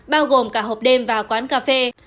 bao gồm cả hộp đêm và quán cà phê